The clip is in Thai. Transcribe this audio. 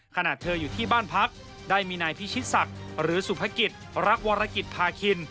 ขณะเธออยู่ที่บ้านพักได้มีนายพิชิตศักดิ์หรือสุภกิจรักวรกิจพาคิน